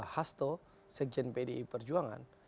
hasto sekjen pdi perjuangan